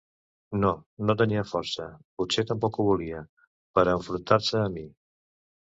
No, no tenia força, potser tampoc ho volia, per a enfrontar-se a mi.